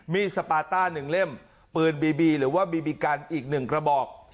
สปาต้า๑เล่มปืนบีบีหรือว่าบีบีกันอีก๑กระบอก